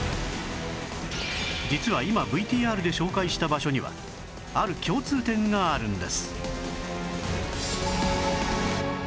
実は今 ＶＴＲ で紹介した場所にはある共通点があるんです